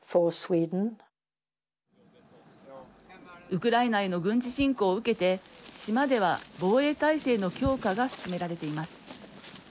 ウクライナへの軍事侵攻を受けて島では防衛体制の強化が進められています。